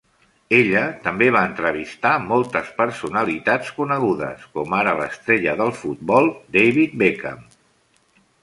Ella també va entrevistar moltes personalitats conegudes, com ara l'estrella del futbol David Beckham.